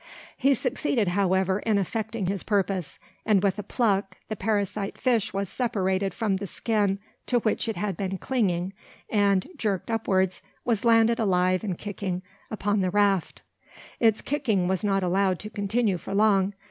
He succeeded, however, in effecting his purpose; and with a pluck the parasite fish was separated from the skin to which it had been clinging, and, jerked upwards, was landed alive and kicking upon the raft. Its kicking was not allowed to continue for long.